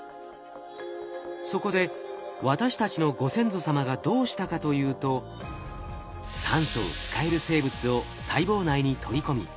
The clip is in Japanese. そこで私たちのご先祖様がどうしたかというと酸素を使える生物を細胞内に取り込み